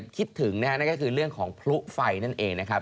คิดถึงนะครับนั่นก็คือเรื่องของพลุไฟนั่นเองนะครับ